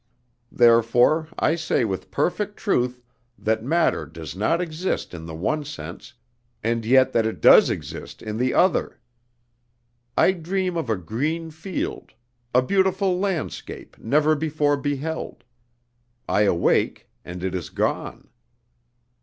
Therefore I say with perfect truth that matter does not exist in the one sense, and yet that it does exist in the other. I dream of a green field; a beautiful landscape, never before beheld; I awake and it is gone.